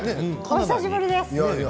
お久しぶりです。